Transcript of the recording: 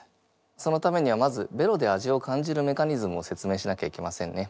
そのためにはまずベロで味を感じるメカニズムを説明しなきゃいけませんね。